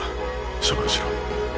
処分しろ。